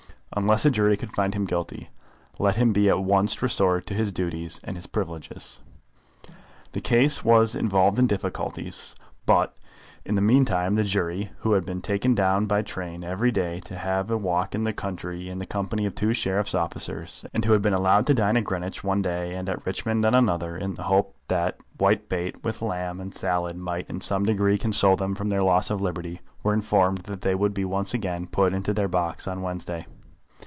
Unless a jury could find him guilty, let him be at once restored to his duties and his privileges. The case was involved in difficulties, but in the meantime the jury, who had been taken down by train every day to have a walk in the country in the company of two sheriff's officers, and who had been allowed to dine at Greenwich one day and at Richmond on another in the hope that whitebait with lamb and salad might in some degree console them for their loss of liberty, were informed that they would be once again put into their box on Wednesday.